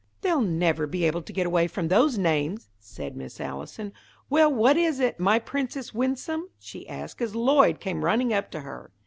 "They'll never be able to get away from those names," said Miss Allison. "Well, what is it, my Princess Winsome?" she asked, as Lloyd came running up to her.